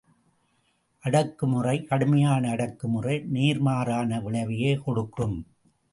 அடக்குமுறை, கடுமையான அடக்குமுறை நேர்மாறான விளைவையே கொடுக்கும்.